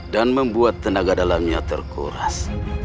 dan membuat tenaga dalamnya terkuras